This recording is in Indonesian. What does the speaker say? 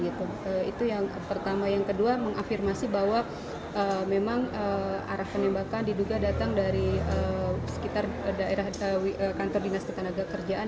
itu yang pertama yang kedua mengafirmasi bahwa memang arah penembakan diduga datang dari sekitar kantor dinas ketenaga kerjaan